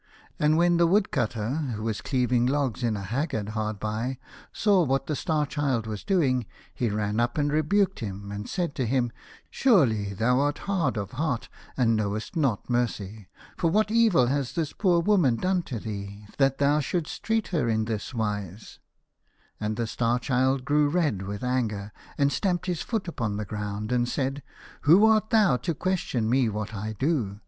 And when the Woodcutter, who was cleaving logs in a haggard hard by, saw what the Star Child was doing, he ran up and rebuked him, and said to him :" Surely thou art hard of heart and knowest not mercy, for what evil has this poor woman done to thee that thou should'st treat her in this wise r And the Star Child grew red with anger, and stamped his foot upon the ground, and said, " Who art thou to question me what I do?